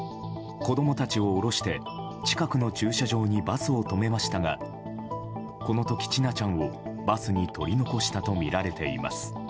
子供たちを降ろして近くの駐車場にバスを止めましたがこの時、千奈ちゃんをバスに取り残したとみられています。